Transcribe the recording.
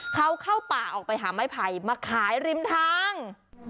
เขาเข้าป่าออกไปหาไม้ไผ่มาขายริมทาง